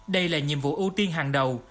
đây là nhiệm vụ ưu tiên hàng đầu